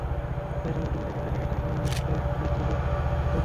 প্রতিটা মুহূর্ত যদি কাজে লাগাই, তাহলে আমার ভবিষ্যতের ভিত হবে শক্ত।